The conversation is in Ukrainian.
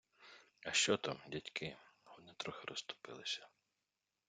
- А що там, дядьки? Вони трохи розступились.